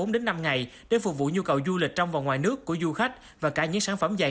bốn đến năm ngày để phục vụ nhu cầu du lịch trong và ngoài nước của du khách và cả những sản phẩm dài